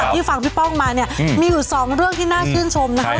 จากที่ฟังพี่ป้องมาเนี่ยมีอยู่๒เรื่องที่น่าขึ้นชมนะครับ